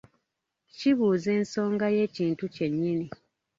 Kibuuza ensoga y'ekintu kyennyini.